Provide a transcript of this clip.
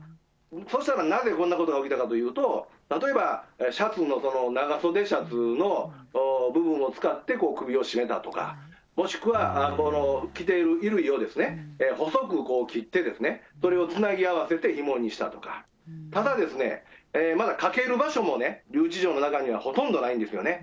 そしたらなぜこんなことが起きたかというと、例えばシャツの長袖シャツの部分を使って首を絞めたとか、もしくは着ている衣類を細く切ってですね、それをつなぎ合わせてひもにしたとか、ただですね、まだかける場所もね、留置場の中ではほとんどないんですよね。